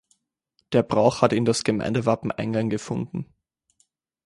Der Brauch hat in das Gemeindewappen Eingang gefunden.